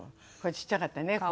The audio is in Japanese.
これちっちゃかったね